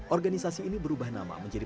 organisasi ini berubah nama menjadi